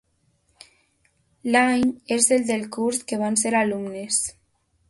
L'any és el del curs que van ser alumnes.